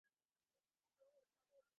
আমার জানা নেই।